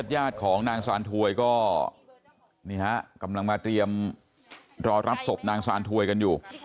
ญาติของนางซานถวยก็นี่ฮะกำลังมาเตรียมรอรับศพนางซานถวยกันอยู่